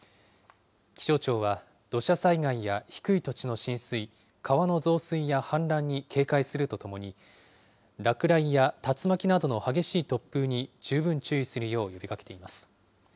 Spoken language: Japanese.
気象庁は、土砂災害や低い土地の浸水、川の増水や氾濫に警戒するとともに、落雷や竜巻などの激しい突風に十分注意するよう呼びかけています。